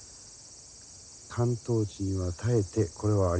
関東地には絶えてこれはありません。